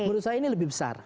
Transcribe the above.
menurut saya ini lebih besar